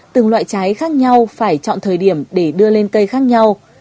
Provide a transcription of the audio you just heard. từng loại trái khác nhau phải chọn thời điểm để đưa lên cây khác nhau